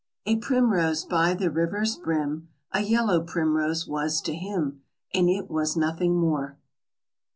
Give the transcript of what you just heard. "A primrose by the river's brim A yellow primrose was to him, And it was nothing more."